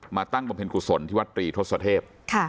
ตั้งบำเพ็ญกุศลที่วัดตรีทศเทพ